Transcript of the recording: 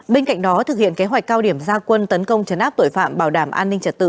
bên cạnh đó thực hiện kế hoạch cao điểm gia quân tấn công chấn áp tội phạm bảo đảm an ninh trật tự